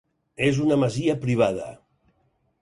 És una masia privada.